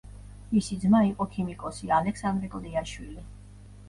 მისი ძმა იყო ქიმიკოსი ალექსანდრე კლდიაშვილი.